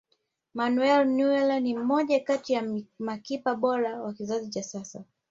manuel neuer ni mmoja kati ya makipa bora wa kizazi cha sasa